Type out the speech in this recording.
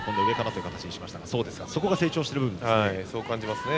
そこが成長している部分ですね。